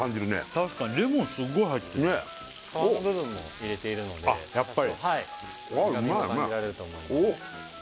確かにレモンすごい入ってる皮の部分も入れているので苦みが感じられると思います